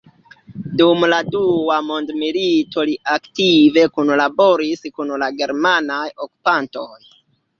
Dum la Dua Mondmilito li aktive kunlaboris kun la germanaj okupantoj.